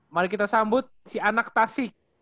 mari kita sambut si anak tasih